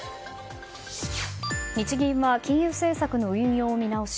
日銀は金融政策の運用を見直し